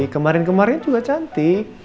kemarin kemarin juga cantik